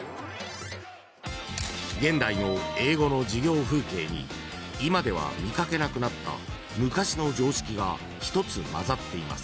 ［現代の英語の授業風景に今では見掛けなくなった昔の常識が１つまざっています］